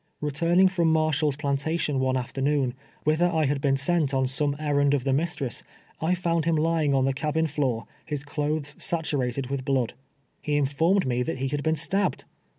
Returning from Marshall's plantation one afternoon, whither I had been sent on some errand of the mis tress, I found him lying on the cabin floor, his clothes saturated with blood. He informed me that he had been stabbed